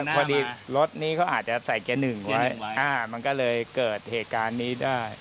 พอดีรถนี้เขาอาจจะใส่แกหนึ่งมันก็เลยเกิดเหตุการณ์นี้ได้